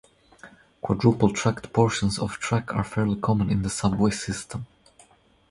Quadruple-tracked portions of track are fairly common in the subway system.